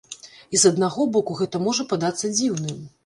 І з аднаго боку, гэта можа падацца дзіўным.